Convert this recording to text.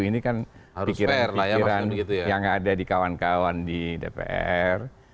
ini kan pikiran pikiran yang ada di kawan kawan di dpr